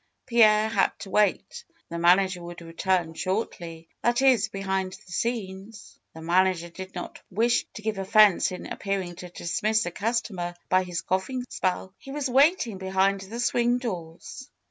Pierre had to wait. The manager would return shortly. That is, behind the scenes, the man ager did not wish to give offense in appearing to dis miss a customer by his coughing spell. He was wait ing behind the swing doors.